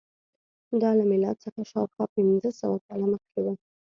دا له میلاد څخه شاوخوا پنځه سوه کاله مخکې وه.